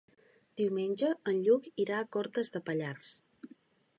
Diumenge en Lluc irà a Cortes de Pallars.